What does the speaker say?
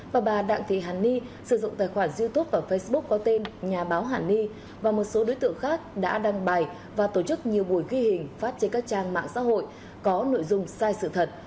và bà đặng thị hàn ni sử dụng tài khoản youtube và facebook có tên nhà báo hàn ni và một số đối tượng khác đã đăng bài và tổ chức nhiều buổi ghi hình phát trên các trang mạng xã hội có nội dung sai sự thật